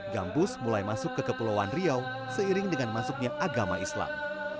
gambus mulai masuk ke kepulauan riau seiring dengan masuknya agama islam